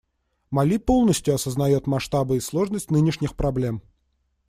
Мали полностью осознает масштабы и сложность нынешних проблем.